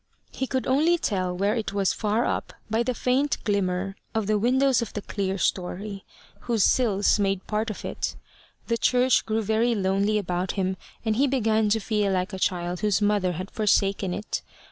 He could only tell where it was far up by the faint glimmer of the windows of the clerestory, whose sills made part of it. The church grew very lonely about him, and he began to feel like a child whose mother has forsaken it.